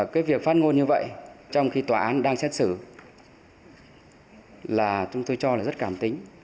cái việc phát ngôn như vậy trong khi tòa án đang xét xử là chúng tôi cho là rất cảm tính